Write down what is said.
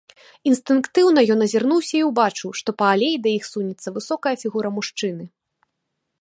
Інстынктыўна ён азірнуўся і ўбачыў, што па алеі да іх сунецца высокая фігура мужчыны.